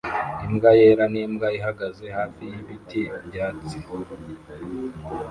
Imbwa yera nimbwa ihagaze hafi yibiti byatsi